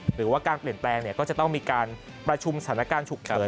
หรือว่าการเปลี่ยนแปลงก็จะต้องมีการประชุมสถานการณ์ฉุกเฉิน